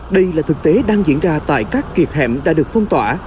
đây là thực tế đang diễn ra tại các kiệt hẻm đã được phong tỏa